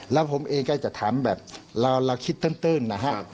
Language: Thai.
แล้วผมเองก็จะถามแบบเราคิดตื้นนะฮะ